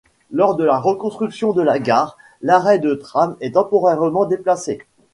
Lors de la reconstruction de la gare, l'arrêt de tram est temporairement déplacé.